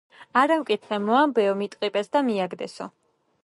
არა მკითხე მოამბეო, მიტყიპეს და მიაგდესო.